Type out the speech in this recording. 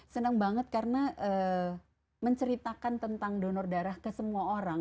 senang banget karena menceritakan tentang donor darah ke semua orang